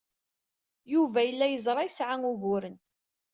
Yuba yella yeẓra yesɛa uguren.